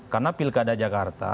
karena pilkada jakarta